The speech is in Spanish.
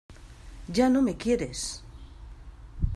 ¡ ya no me quieres!